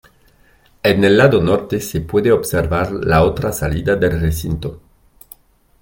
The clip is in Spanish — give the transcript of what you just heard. En el lado norte se puede observar la otra salida del recinto.